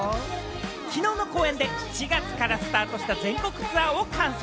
きのうの公演で、７月からスタートした全国ツアーを完走。